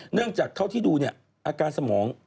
เนื่องจากเท่าที่ดูอาการสมอง